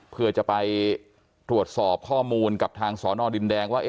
เพื่อจะไปตรวจสอบข้อมูลกับทางสอนอดินแดงว่า